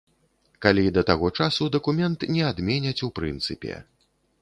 Калі да таго часу дакумент не адменяць ў прынцыпе.